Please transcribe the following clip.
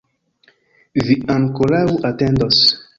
Vi ankoraŭ atendos!